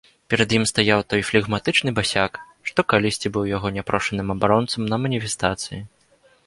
Перад ім стаяў той флегматычны басяк, што калісьці быў яго няпрошаным абаронцам на маніфестацыі.